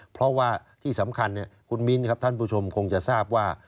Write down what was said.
เพราะว่าที่สำคัญคุณมิ้นครับท่านผู้ชมคงจะทราบว่า